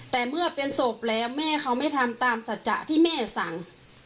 แต่เมื่อเป็นศพแล้วแม่เขาไม่ทำตามสัจจะที่แม่สั่ง